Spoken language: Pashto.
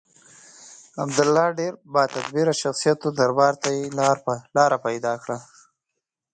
عبدالله ډېر با تدبیره شخصیت و دربار ته یې لاره پیدا کړه.